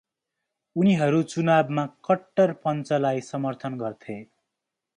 उनीहरू चुनावमा कट्टर पञ्चलाई समर्थन गर्थे ।